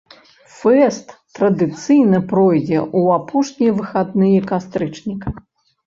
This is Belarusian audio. Фэст традыцыйна пройдзе ў апошнія выхадныя кастрычніка.